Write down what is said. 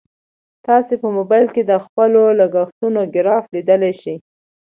تاسو په موبایل کې د خپلو لګښتونو ګراف لیدلی شئ.